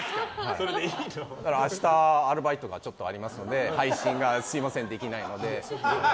明日、アルバイトがちょっとありますので配信ができないので。